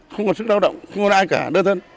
không còn sức lao động không có ai cả đơn thân